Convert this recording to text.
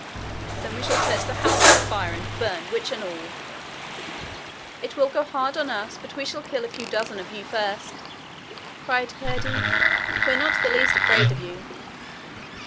'Then we shall set the house on fire, and burn witch and all.' 'It will go hard with us but we shall kill a few dozen of you first,' cried Curdie. 'We're not the least afraid of you.'